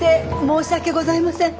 申し訳ございません。